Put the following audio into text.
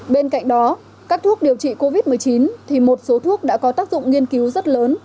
bên cạnh đó các thuốc điều trị covid một mươi chín thì một số thuốc đã có tác dụng nghiên cứu rất lớn